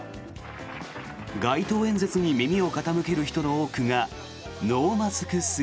街頭演説に耳を傾ける人の多くがノーマスク姿。